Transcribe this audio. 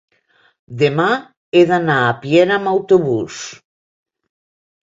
demà he d'anar a Piera amb autobús.